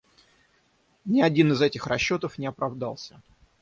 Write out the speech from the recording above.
Ни один из этих расчетов не оправдался.